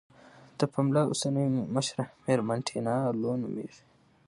د پملا اوسنۍ مشره میرمن ټینا لو نوميږي.